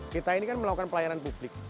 kita ini kan melakukan pelayanan publik